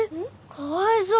かわいそう。